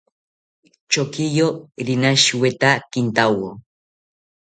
Chokiyo rinashita kintawo